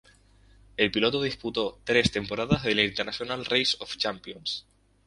El piloto disputó tres temporadas de la International Race of Champions.